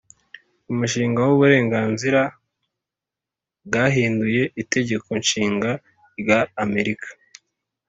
umushinga w’uburenganzira bwahinduye itegeko nshinga rya amerika.